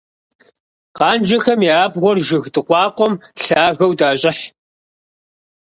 Къанжэхэм я абгъуэр жыг дыкъуакъуэм лъагэу дащӀыхь.